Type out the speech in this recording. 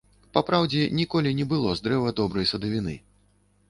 Папраўдзе ніколі не было з дрэва добрай садавіны.